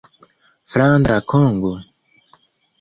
Flandra Kongo?